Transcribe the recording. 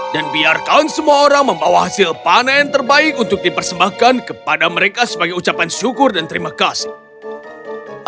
dan biarkan semua orang membawa hasil panen terbaik untuk dipersembahkan kepada mereka sebagai ucapan syukur dan terima kasih